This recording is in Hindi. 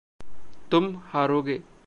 तुम हारोगे।